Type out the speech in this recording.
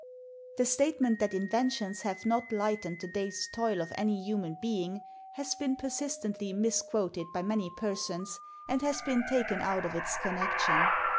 The statement that inventions have not "lightened the day's toil of any human being" has been persistently misquoted by many persons and has been taken out of its connection.